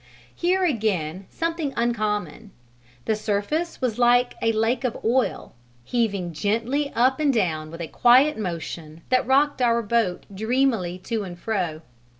Here again something uncommon: the surface was like a lake of oil, heaving gently up and down with a quiet motion that rocked our boat dreamily to and fro.